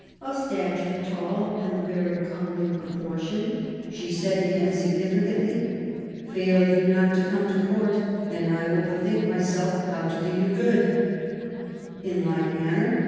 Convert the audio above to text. Of stature tall and of very comely proportion, sh said to him, significantly :" Fail you not to come to Court, and I will bethink myself how to d^ you good •'. In like manner.